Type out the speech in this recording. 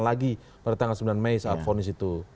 lagi pada tanggal sembilan mei saat vonis itu